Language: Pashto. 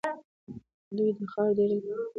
دوی د خاورو ډېري ته کيسې ليکي.